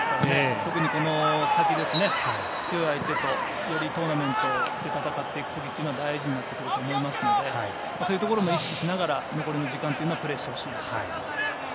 特に、この先強い相手とトーナメントで戦っていくのが大事になると思いますのでそういうところも意識しながら残りの時間というのはプレーしてほしいですね。